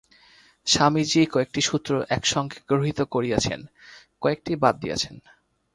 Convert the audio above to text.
স্বামীজী কয়েকটি সূত্র একসঙ্গে গ্রথিত করিয়াছেন, কয়েকটি বাদ দিয়াছেন।